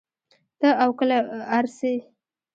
تۀ او کله ار سې